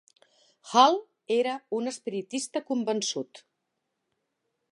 Hall era un espiritista convençut.